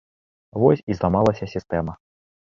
Вось і зламалася сістэма.